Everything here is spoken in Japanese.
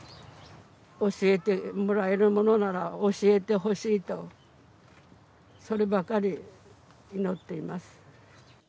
教えてもらえるものなら教えてほしいと、そればかり祈っています。